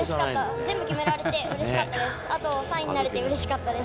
全部決められてうれしかったです。